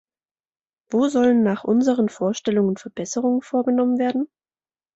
Wo sollen nach unseren Vorstellungen Verbesserungen vorgenommen werden?